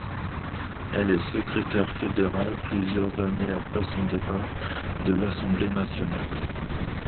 Elle est secrétaire fédérale plusieurs années après son départ de l'Assemblée nationale.